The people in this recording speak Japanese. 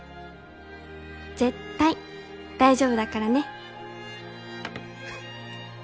絶対大丈夫だからね」。